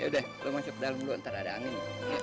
yaudah lo masak dalem dulu ntar ada angin